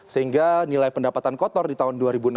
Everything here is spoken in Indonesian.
sehingga nilai pendapatan kotor di tahun dua ribu enam belas